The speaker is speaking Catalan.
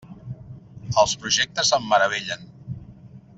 Els projectes em meravellen.